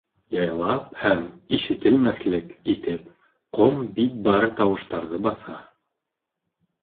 Яйлап һәм ишетелмэҫлек итеп, ҡом бит бар тауыштарҙы баҫа.